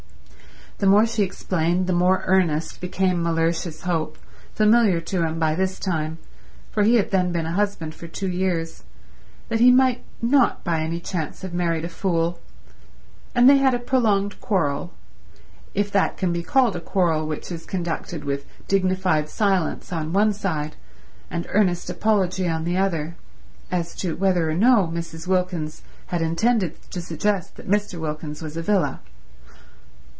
. The more she explained the more earnest became Mellersh's hope, familiar to him by this time, for he had then been a husband for two years, that he might not by any chance have married a fool; and they had a prolonged quarrel, if that can be called a quarrel which is conducted with dignified silence on one side and earnest apology on the other, as to whether or no Mrs. Wilkins had intended to suggest that Mr. Wilkins was a villa.